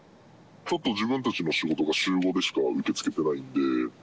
ちょっと自分たちの仕事は週５でしか受け付けてないんで。